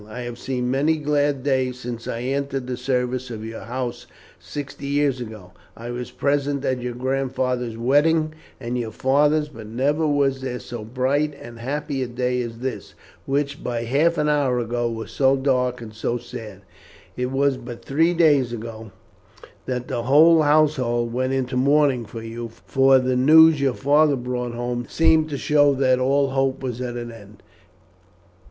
I have seen many glad days since I entered the service of your house sixty years ago. I was present at your grandfather's wedding, and your father's, but never was there so bright and happy a day as this, which but half an hour ago was so dark and sad. It was but three days ago that the whole household went into mourning for you, for the news your father brought home seemed to show that all hope was at an end.